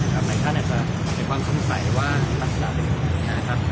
การไหนข้างในจะมีความสงสัยว่าปรรจนาดเดิมนะครับ